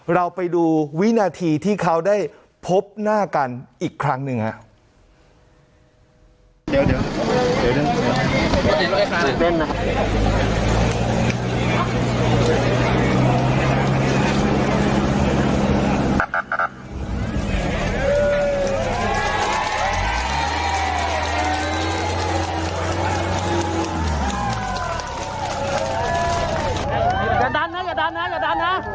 เราไปดูวินาทีที่เขาได้พบหน้ากันอีกครั้งหนึ่งครับ